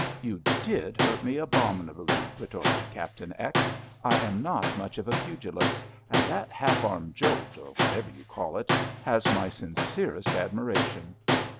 "You did hurt me abominably," retorted Captain X. "I am not much of a pugilist and that half arm jolt, or whatever you call it, has my sincerest admiration."